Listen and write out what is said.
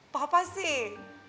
pak apa sih